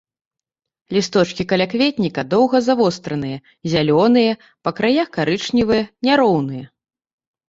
Лісточкі калякветніка доўга завостраныя, зялёныя, па краях карычневыя, няроўныя.